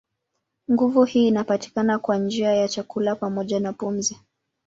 Nguvu hii inapatikana kwa njia ya chakula pamoja na pumzi.